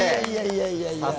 いやいやいやいや。